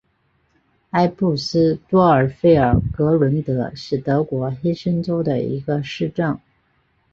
埃布斯多尔费尔格伦德是德国黑森州的一个市镇。